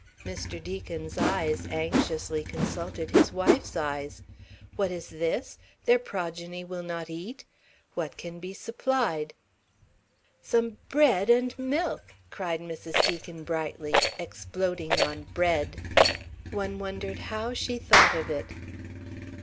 Mr. Deacon's eyes anxiously consulted his wife's eyes. What is this? Their progeny will not eat? What can be supplied? "Some bread and milk!" cried Mrs. Deacon brightly, exploding on "bread." One wondered how she thought of it.